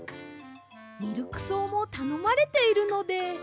ミルクそうもたのまれているので。